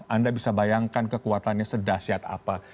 anda bisa bayangkan kekuatannya sedahsyat apa